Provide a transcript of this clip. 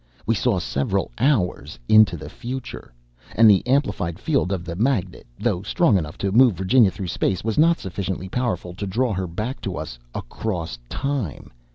We saw several hours into the future. "And the amplified field of the magnet, though strong enough to move Virginia through space, was not sufficiently powerful to draw her back to us across time.